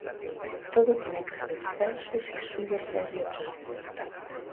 Todo tiña que ser excelso, sisudo, serio e transcendental.